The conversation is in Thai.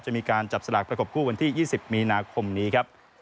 จะมีการจับสลากประกบคู่วันที่๒๐มีนาคมนี้ครับ